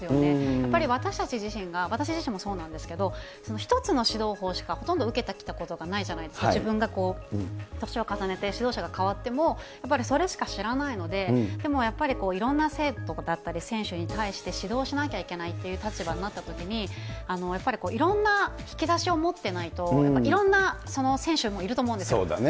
やっぱり私たち自身が、私自身もそうなんですけれども、一つの指導法しかほとんど受けてきたことがないじゃないですか、自分が年を重ねて、指導者が代わっても、やっぱりそれしか知らないので、でもやっぱり、いろんな生徒だったり選手に対して指導しなきゃいけないという立場になったときに、やっぱりいろんな引き出しを持ってないと、やっぱりいろんな選手もいると思うんです。